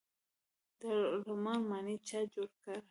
دارالامان ماڼۍ چا جوړه کړه؟